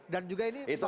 dan juga ini